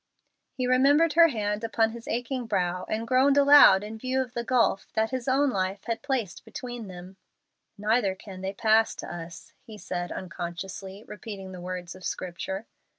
He remembered her hand upon his aching brow, and groaned aloud in view of the gulf that his own life had placed between them. "'Neither can they pass to us,'" he said, unconsciously repeating the words of Scripture.